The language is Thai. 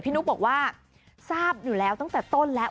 นุ๊กบอกว่าทราบอยู่แล้วตั้งแต่ต้นแล้ว